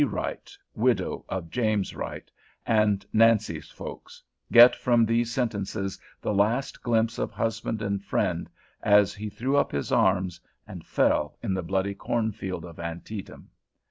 Wright, widow of James Wright, and Nancy's folks, get from these sentences the last glimpse of husband and friend as he threw up his arms and fell in the bloody cornfield of Antietam?